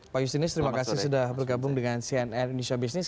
pak justinus terima kasih sudah bergabung dengan cnn indonesia business